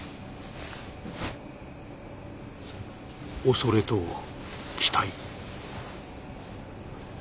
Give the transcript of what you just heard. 恐れと期待。